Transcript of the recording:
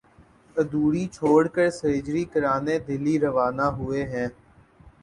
ادھوری چھوڑ کر سرجری کرانے دہلی روانہ ہوئے ہیں